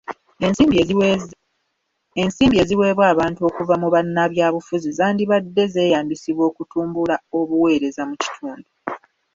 Ensimbi eziweebbwa abantu okuva mu bannabyabufuzi zandibadde zeeyambisibwa okutumbula obuweereza mu kitundu.